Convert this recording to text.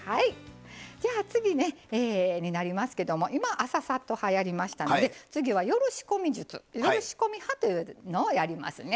じゃあ次になりますけども今「朝サッと派」やりましたので次は夜仕込み術「夜仕込み派」というのをやりますね。